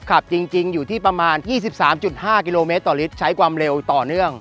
ขับจริงอยู่ที่ประมาณ๒๓๕กิโลเมตรต่อลิตรใช้ความเร็วต่อเนื่อง